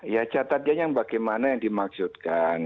ya catatannya bagaimana yang dimaksudkan